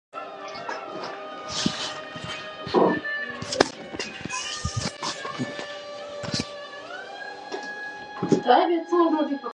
د مورنۍ ژبې مينه فطري ده.